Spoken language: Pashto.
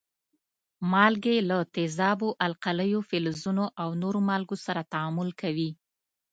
مالګې له تیزابو، القلیو، فلزونو او نورو مالګو سره تعامل کوي.